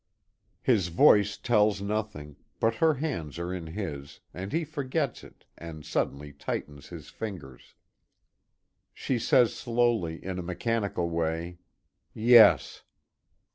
His voice tells nothing, but her hands are in his, and he forgets it and suddenly tightens his fingers. She says slowly, in a mechanical way: "Yes."